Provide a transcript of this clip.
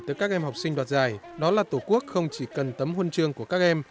tới các em học sinh đoạt giải đó là tổ quốc không chỉ cần tấm huân chương của các em